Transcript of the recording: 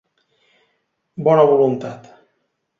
Bona Voluntat.